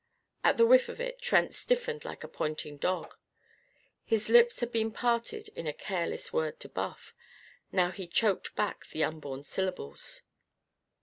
At the whiff of it Trent stiffened like a pointing dog. His lips had been parted in a careless word to Buff. Now he choked back the unborn syllables.